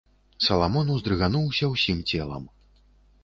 Саламон ўздрыгануўся ўсім целам.